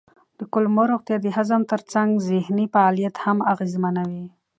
د کولمو روغتیا د هضم ترڅنګ ذهني فعالیت هم اغېزمنوي.